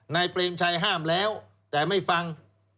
เปรมชัยห้ามแล้วแต่ไม่ฟัง